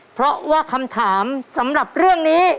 เพราะว่าคำถามสำหรับเรื่องนี้